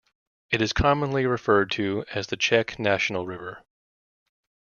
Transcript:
It is commonly referred to as the "Czech national river".